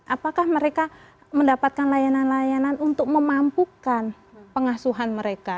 apakah mereka mendapatkan layanan layanan untuk memampukan pengasuhan mereka